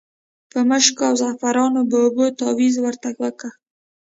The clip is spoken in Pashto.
په مشکو او زعفرانو په اوبو تاویز ورته وکیښ.